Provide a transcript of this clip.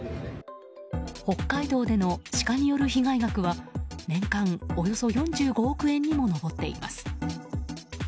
北海道でのシカによる被害額は年間およそ４５億円にも上っています。